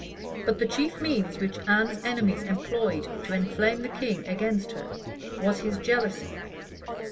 [*] But the chief means which Anne's enemies employed to inflame the king against her, was his jealousy.